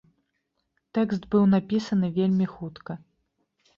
Тэкст быў напісаны вельмі хутка.